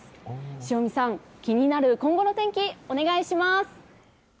塩見さん、気になる今後の天気、お願いします。